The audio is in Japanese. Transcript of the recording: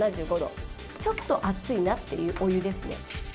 「ちょっと熱いなっていうお湯ですね」